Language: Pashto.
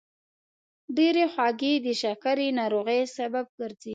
ډېرې خوږې د شکرې ناروغۍ سبب ګرځي.